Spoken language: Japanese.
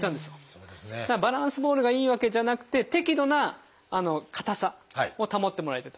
バランスボールがいいわけじゃなくて適度な硬さを保ってもらいたいと。